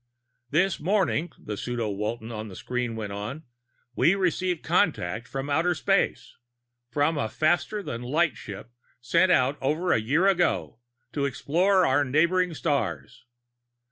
"This morning," the pseudo Walton on the screen went on, "we received contact from outer space! From a faster than light ship sent out over a year ago to explore our neighboring stars.